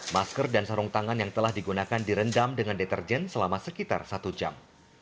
masker dan sarung tangan yang telah digunakan direndam dengan deterjen selama sekitar satu jam